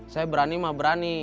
saya berani mah berani